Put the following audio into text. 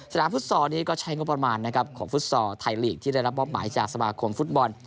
ฟุตซอลนี้ก็ใช้งบประมาณนะครับของฟุตซอลไทยลีกที่ได้รับมอบหมายจากสมาคมฟุตบอล